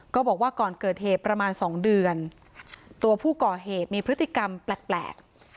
บอกว่าก่อนเกิดเหตุประมาณ๒เดือนตัวผู้ก่อเหตุมีพฤติกรรมแปลก